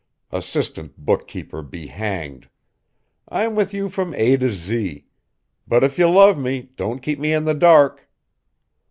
"Assistant bookkeeper be hanged! I'm with you from A to Z; but if you love me, don't keep me in the dark."